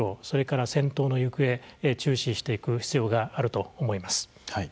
それから先頭の行方注視していく必要があると思います。